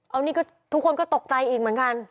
เอานี่ก็ทุกคนก็ตกใจอีกเหมือนกัน